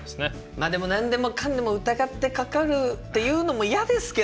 まあでも何でもかんでも疑ってかかるっていうのも嫌ですけどね。